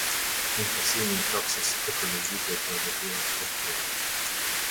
Inkasimi i Taksës Ekologjike për Veturat e huaja.